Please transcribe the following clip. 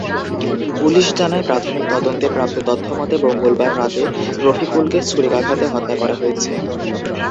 Police জানায়, প্রাথমিক তদন্তে প্রাপ্ত তথ্যমতে, মঙ্গলবার রাতে রফিকুলকে ছুরিকাঘাতে হত্যা করা হয়েছে।